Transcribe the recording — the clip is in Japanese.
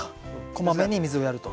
こまめに水をやると。